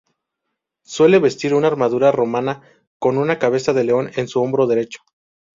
Suele vestir una armadura romana con una cabeza de León en su hombro derecho.